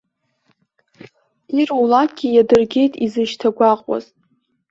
Ирулакгьы иадыргеит изышьҭагәаҟуаз.